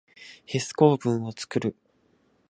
ヒス構文をつくる。